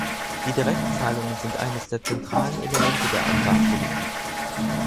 Die Direktzahlungen sind eines der zentralen Elemente der Agrarpolitik.